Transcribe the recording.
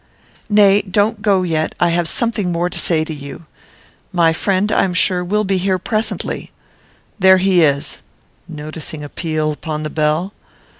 "Nay, don't go yet. I have something more to say to you. My friend, I'm sure, will be here presently. There he is;" (noticing a peal upon the bell.)